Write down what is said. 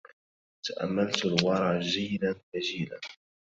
تأملت الورى جيلا فجيلا